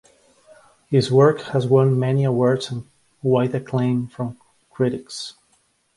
His work has won many awards and wide acclaim from critics.